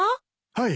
はい。